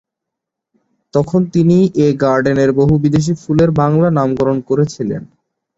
তখন তিনি এ গার্ডেনের বহু বিদেশী ফুলের বাংলা নামকরণ করেছিলেন।